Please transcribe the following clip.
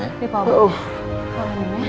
tenang pak ya